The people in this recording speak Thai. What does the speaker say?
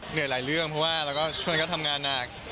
เหนื่อยหลายเรื่องเพราะว่าช่วงนี้ก็ทำงานหนัก